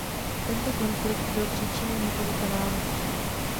Tento konflikt byl příčinou několika válek.